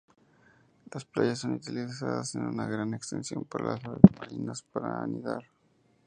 Las playas son utilizadas en una gran extensión por las aves marinas para anidar.